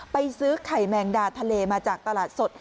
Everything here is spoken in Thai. ไปซื้อไข่แมงดาทะเลมาจากตลาดสด